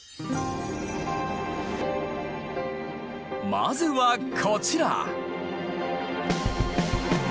まずはこちら！